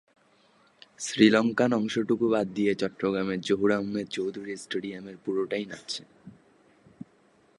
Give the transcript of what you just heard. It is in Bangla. শ্রীলঙ্কান অংশটুকু বাদ দিয়ে চট্টগ্রামের জহুর আহমেদ চৌধুরী স্টেডিয়ামের পুরোটাই নাচছে।